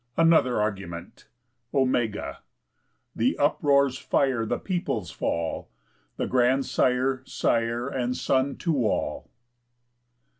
ANOTHER ARGUMENT Ω. The uproar's fire, The people's fall: The grandsire, sire, And son, to all.